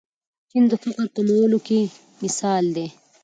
چین د فقر کمولو کې مثال دی.